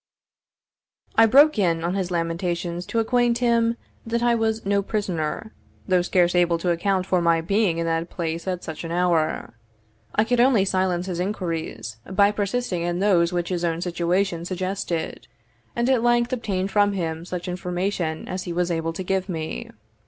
I broke in on his lamentations to acquaint him that I was no prisoner, though scarce able to account for my being in that place at such an hour. I could only silence his inquiries by persisting in those which his own situation suggested; and at length obtained from him such information as he was able to give me.